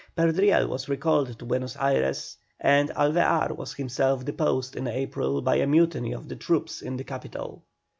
Perdriel was recalled to Buenos Ayres, and Alvear was himself deposed in April by a mutiny of the troops in the capital.